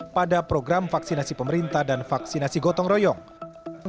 pada program vaksinasi pemerintah dan vaksinasi gotong royong